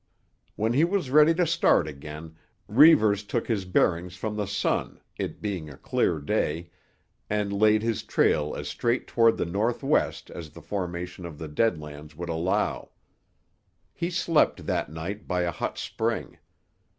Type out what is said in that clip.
When he was ready to start again, Reivers took his bearings from the sun, it being a clear day, and laid his trail as straight toward the northwest as the formation of the Dead Lands would allow. He slept that night by a hot spring.